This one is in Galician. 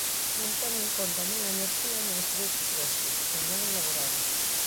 Non ten en conta nin a enerxía nin os produtos frescos, os non elaborados.